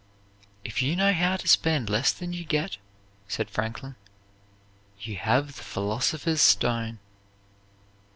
"If you know how to spend less than you get," said Franklin, "you have the philosopher's stone."